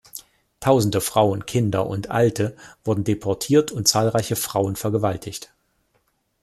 Tausende Frauen, Kinder und Alte wurden deportiert und zahlreiche Frauen vergewaltigt.